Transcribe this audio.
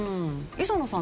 磯野さん